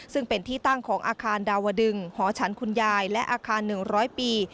ซึ่งเป็นที่ตั้งของอาคารดาวดึงหอฉันคุณยายและอาคาร๑๐๐ปี